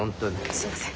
すいません。